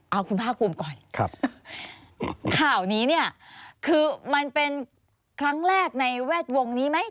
เอาคุณภาคภูมิก่อนครับข่าวนี้เนี่ยคือมันเป็นครั้งแรกในแวดวงนี้ไหม